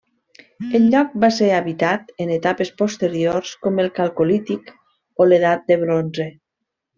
El lloc va ser habitat en etapes posteriors com el calcolític o l'edat del bronze.